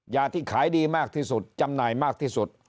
ที่ขายดีมากที่สุดจำหน่ายมากที่สุด